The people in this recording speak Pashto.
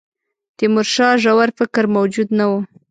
تیمورشاه ژور فکر موجود نه وو.